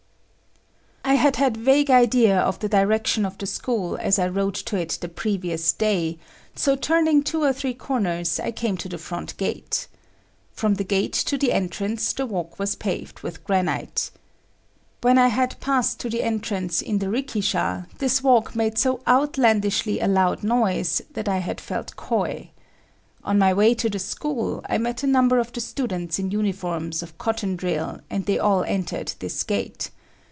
I had had vague idea of the direction of the school as I rode to it the previous day, so turning two or three corners, I came to the front gate. From the gate to the entrance the walk was paved with granite. When I had passed to the entrance in the rikisha, this walk made so outlandishly a loud noise that I had felt coy. On my way to the school, I met a number of the students in uniforms of cotton drill and they all entered this gate.